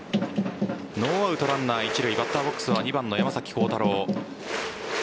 ノーアウトランナー一塁バッターボックスは２番の山崎晃大朗。